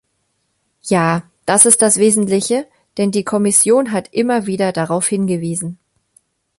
Ja, das ist das Wesentliche, denn die Kommission hat immer wieder darauf hingewiesen.